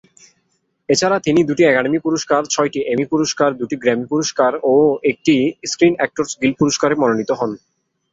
এছাড়া তিনি দুটি একাডেমি পুরস্কার, ছয়টি এমি পুরস্কার, দুটি গ্র্যামি পুরস্কার এবং একটি স্ক্রিন অ্যাক্টরস গিল্ড পুরস্কারে মনোনীত হন।